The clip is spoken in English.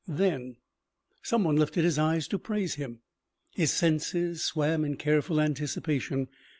"Then." Someone lifted his eyes to praise him. His senses swam in careful anticipation.